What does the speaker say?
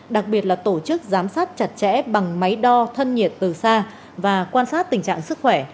đặc biệt là tổ chức giám sát chặt chẽ bằng máy đo thân nhiệt từ xa và quan sát tình trạng sức khỏe